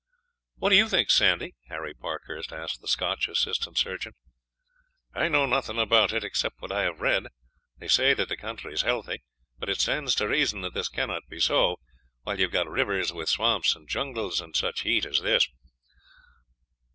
"What do you think, Sandy?" Harry Parkhurst asked the Scotch assistant surgeon. "I know nothing about it, except what I have read. They say that the country is healthy; but it stands to reason that this cannot be so while you have got rivers with swamps and jungles and such heat as this.